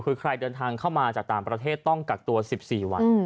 คือใครเดินทางเข้ามาจากต่างประเทศต้องกักตัว๑๔วัน